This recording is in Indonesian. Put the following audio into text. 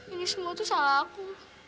ini semua tuh salah aku